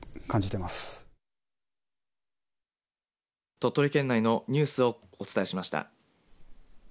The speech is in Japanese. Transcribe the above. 鳥取県内のニュースをお伝えしました。